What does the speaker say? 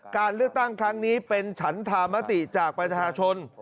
การเลือกตั้งครั้งนี้เป็นฉันธามติจากประชาชน